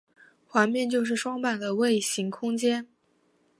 环面就是双摆的位形空间。